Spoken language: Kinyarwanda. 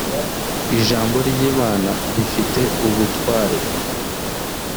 ijambo ry imana rifite ubutware